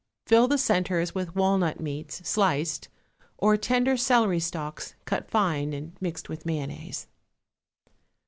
Fill the centres with walnut meats, sliced, or tender celery stalks, cut fine and mixed with mayonnaise.